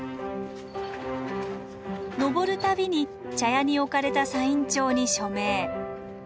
登る度に茶屋に置かれたサイン帳に署名。